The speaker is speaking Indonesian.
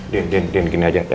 den den den gini aja ya